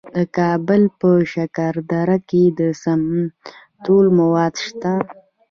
د کابل په شکردره کې د سمنټو مواد شته.